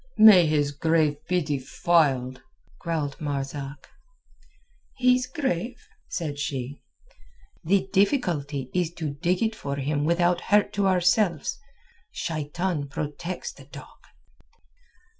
"May his grave be defiled!" growled Matzak. "His grave?" said she. "The difficulty is to dig it for him without hurt to ourselves. Shaitan protects the dog."